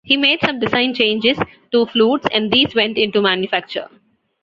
He made some design changes to flutes and these went into manufacture.